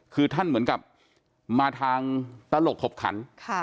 คือท่านเหมือนกับมาทางตลกขบขัน